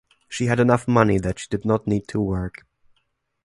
She had enough money that she did not need to work.